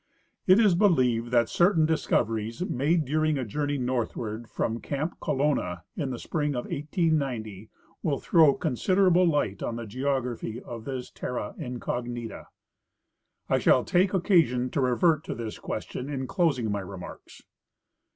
It is believed that certain discoveries made during a journey northward from camp Colonna in the spring of 1890 will throw considerable light on the geography of this terra incognita. I shall take occasion to revert to this question in closing my re marks.